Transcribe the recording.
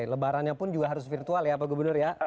lebarannya pun juga harus virtual ya pak gubernur ya